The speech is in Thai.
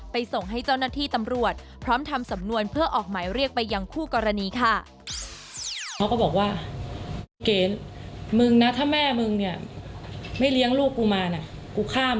ส่งให้เจ้าหน้าที่ตำรวจพร้อมทำสำนวนเพื่อออกหมายเรียกไปยังคู่กรณีค่ะ